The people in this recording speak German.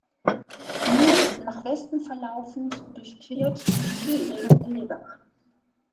Nun nach Westen verlaufend durchquert die "Theel" Lebach.